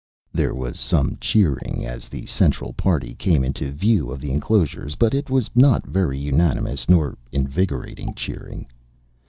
There was some cheering as the central party came into view of the enclosures, but it was not very unanimous nor invigorating cheering.